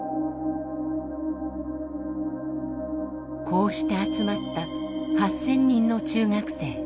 こうして集まった８，０００人の中学生。